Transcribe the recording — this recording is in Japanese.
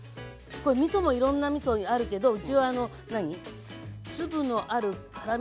みそもいろんなみそあるけどうちは粒のある辛みそっていうの？